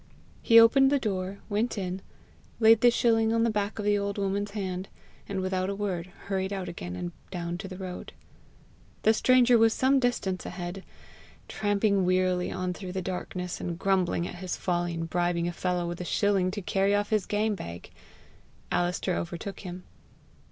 He opened the door, went in, laid the shilling on the back of the old woman's hand, and without a word hurried out again, and down to the road. The stranger was some distance ahead, tramping wearily on through the darkness, and grumbling at his folly in bribing a fellow with a shilling to carry off his game bag. Alister overtook him.